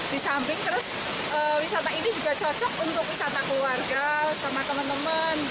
di samping terus wisata ini juga cocok untuk wisata keluarga sama teman teman